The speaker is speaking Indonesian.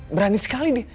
berani sekali deh